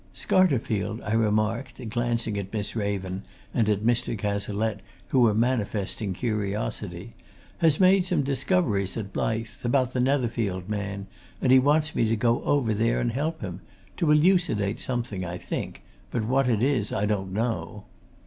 "Scarterfield," I remarked, glancing at Miss Raven and at Mr. Cazalette, who were manifesting curiosity, "has made some discoveries at Blyth about the Netherfield man and he wants me to go over there and help him to elucidate something, I think, but what it is, I don't know."